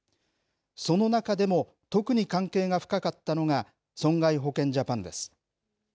その中でも特に関係が深かったのが、損害保険ジャパンです。